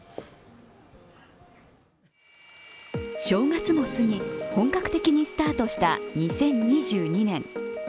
正月もすぎ本格的にスタートした２０２２年。